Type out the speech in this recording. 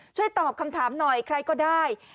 ช่วยตอบคำถามหน่อยใครก็ได้